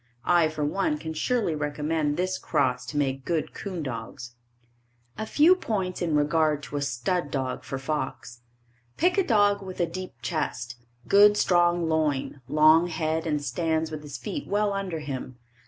I for one can surely recommend this cross to make good 'coon dogs. A few points in regard to a stud dog for fox. Pick a dog with a deep chest, good strong loin, long head and stands with his feet well under him.